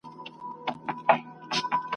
په واړه کور کي له ورور سره دښمن یو !.